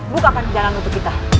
bukakan jalan untuk kita